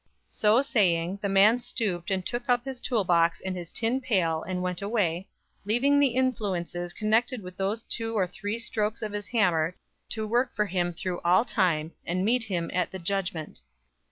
So saying, the man stooped and took up his tool box and his tin pail, and went away, leaving the influences connected with those two or three strokes of his hammer to work for him through all time, and meet him at the judgment.